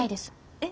えっ？